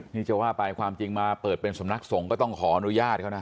นี่จะว่าไปความจริงมาเปิดเป็นสำนักสงฆ์ก็ต้องขออนุญาตเขานะ